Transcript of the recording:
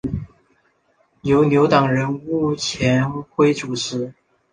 由牛党人物钱徽主持。